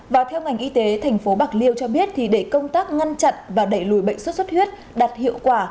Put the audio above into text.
và theo ngành y tế thành phố bạc liêu cho biết thì để công tác ngăn chặn và đẩy lùi bệnh sốt sốt huyết đạt hiệu quả